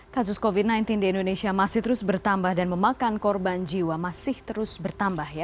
kasus covid sembilan belas di indonesia masih terus bertambah dan memakan korban jiwa masih terus bertambah ya